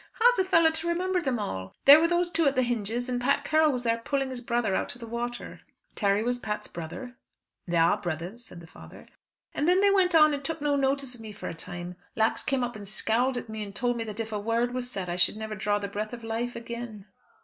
How is a fellow to remember them all? There were those two at the hinges, and Pat Carroll was there pulling his brother out of the water." "Terry was Pat's brother?" "They are brothers," said the father. "And then they went on, and took no notice of me for a time. Lax came up and scowled at me, and told me that if a word was said I should never draw the breath of life again."